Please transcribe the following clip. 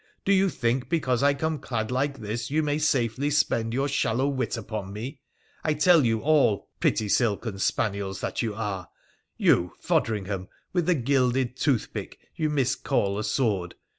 Do you think, because I come clad like this, you may safely spend your shallow wit upon me ? I tell you all, pretty silken spaniels that you are ! you, Fodringham, with the gilded toothpick you miscall a sword